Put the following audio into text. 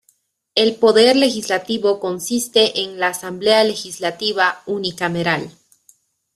El poder legislativo consiste en la Asamblea Legislativa unicameral.